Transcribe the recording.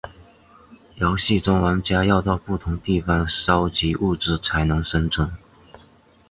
游戏中玩家要到不同地方搜集物资才能生存。